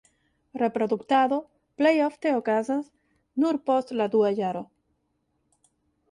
Reproduktado plej ofte okazas nur post la dua jaro.